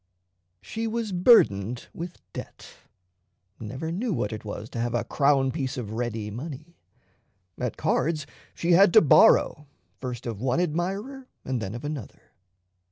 She was burdened with debt, never knew what it was to have a crown piece of ready money. At cards she had to borrow first of one admirer and then of another.